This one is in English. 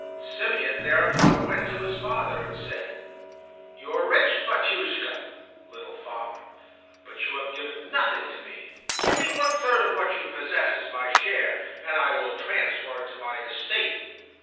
Simeon thereupon went to his father and said: "You are rich, batiushka [little father], but you have given nothing to me. Give me one third of what you possess as my share, and I will transfer it to my estate."